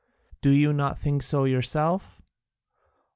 Do you not think so yourself?